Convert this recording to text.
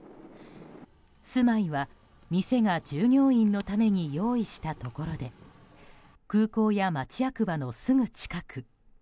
住まいは、店が従業員のために用意したところで空港や町役場のすぐ近く。